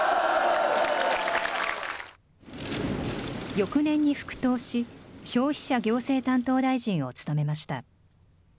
翌年に復党し、消費者行政担当大臣を務めました。